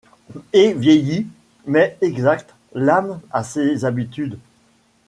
Et vieilli, mais exact, l’âme a ses habitudes.